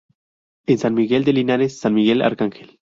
En San Miguel de Linares, San Miguel Arcángel.